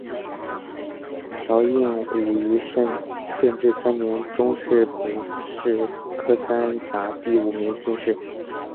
乔映伍于顺治三年中式丙戌科三甲第五名进士。